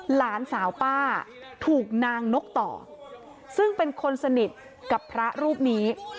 หลานสาวป้าถูกนางนกต่อซึ่งเป็นคนสนิทกับพระรูปนี้